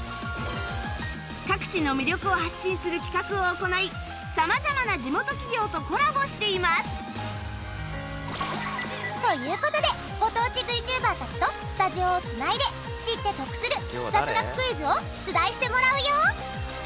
各地の魅力を発信する企画を行い様々な地元企業とコラボしていますという事でご当地 ＶＴｕｂｅｒ たちとスタジオを繋いで知って得する雑学クイズを出題してもらうよ